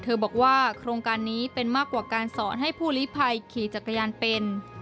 บอกว่าโครงการนี้เป็นมากกว่าการสอนให้ผู้ลิภัยขี่จักรยานเป็น